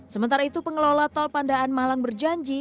sementara itu pengelola tol pandaan malang berjanji